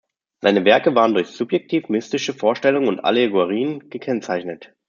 Seine Werke waren durch subjektiv-mystische Vorstellungen und Allegorien gekennzeichnet.